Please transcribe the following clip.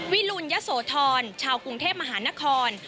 วิรุณยะโสธรชาวกรุงเทพมหานคร